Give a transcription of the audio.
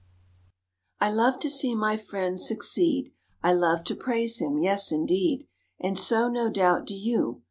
I love to see my friend succeed; I love to praise him; yes, indeed! And so, no doubt, do you.